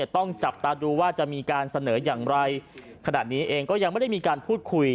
ต้องจับตาดูว่าจะมีการเสนออย่างไรขณะนี้เองก็ยังไม่ได้มีการพูดคุย